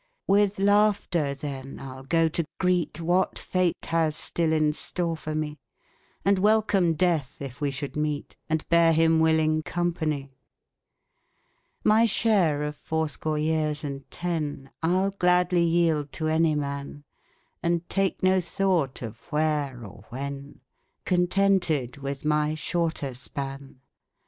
With laughter, then, I'll go to greet What Fate has still in store for me, And welcome Death if we should meet, And bear him willing company. My share of fourscore years and ten I'll gladly yield to any man, And take no thought of " where " or " when," Contented with my shorter span.